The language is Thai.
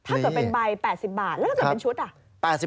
ถ้าเกิดเป็นใบ๘๐บาทแล้วถ้าเกิดเป็นชุดอ่ะ